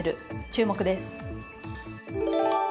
注目です。